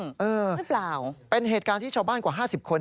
หรือเปล่าเป็นเหตุการณ์ที่ชาวบ้านกว่า๕๐คน